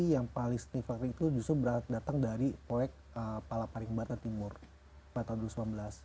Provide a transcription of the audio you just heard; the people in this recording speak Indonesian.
yang paling stefaring itu justru datang dari proyek palaparing barat timur pada tahun dua ribu sembilan belas